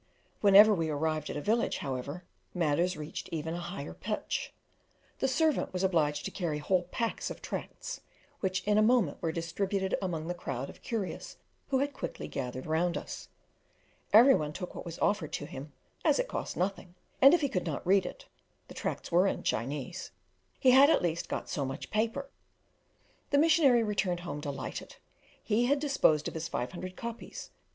Whenever we arrived at a village, however, matters reached even a higher pitch. The servant was obliged to carry whole packs of tracts, which in a moment were distributed among the crowd of curious who had quickly gathered round us. Every one took what was offered to him, as it cost nothing, and if he could not read it the tracts were in Chinese he had at least got so much paper. The missionary returned home delighted; he had disposed of his 500 copies.